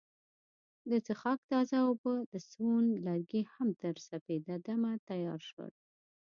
د څښاک تازه اوبه او د سون لرګي هم تر سپیده دمه تیار شول.